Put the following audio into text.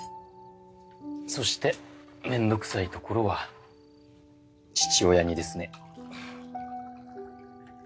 そしてめんどくさいところは父親似ですね。